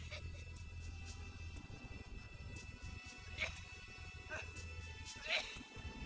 bapak bapak sakit ya